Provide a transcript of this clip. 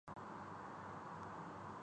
وہ انسانوں میں چھپی تجلی کو بھی دیکھ سکتی ہیں